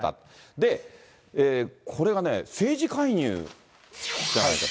で、これがね、政治介入じゃないかと。